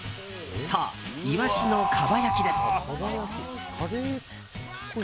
そう、イワシのかば焼きです。